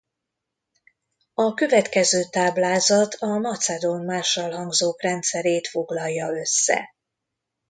A következő táblázat a macedón mássalhangzók rendszerét foglalja össze.